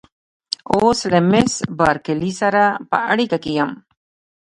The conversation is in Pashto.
اوس له مېس بارکلي سره په اړیکه کې یم.